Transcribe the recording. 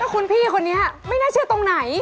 คุณพี่คนนี้ไม่น่าเชื่อตรงไหน